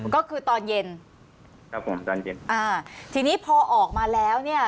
ก็คือตอนเย็นครับผมตอนเย็นอ่าทีนี้พอออกมาแล้วเนี่ย